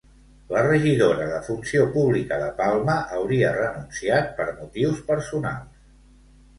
La regidora de Funció Pública de Palma hauria renunciat per motius personals.